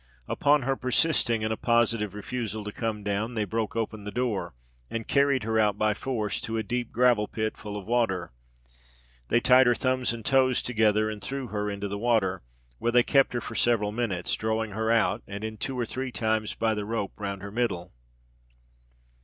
Upon her persisting in a positive refusal to come down, they broke open the door and carried her out by force, to a deep gravel pit full of water. They tied her thumbs and toes together and threw her into the water, where they kept her for several minutes, drawing her out and in two or three times by the rope round her middle.